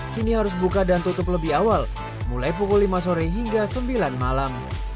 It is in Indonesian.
kini harus buka dan tutup lebih awal mulai pukul lima sore hingga sembilan malam